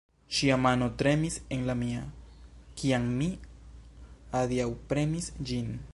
Ŝia mano tremis en la mia, kiam mi adiaŭpremis ĝin!